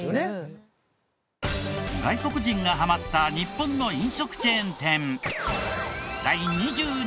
外国人がハマった日本の飲食チェーン店。